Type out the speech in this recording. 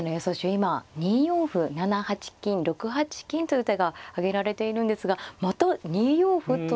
今２四歩７八金６八金という手が挙げられているんですがまた２四歩というのは。